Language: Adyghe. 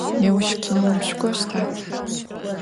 Nêuş kineum şsuk'oşta?